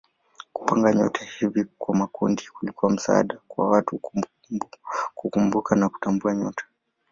Kupanga nyota hivi kwa makundi kulikuwa msaada kwa watu kukumbuka na kutambua nyota.